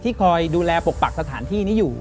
คอยดูแลปกปักสถานที่นี้อยู่